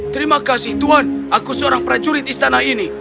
terima kasih tuhan aku seorang prajurit istana ini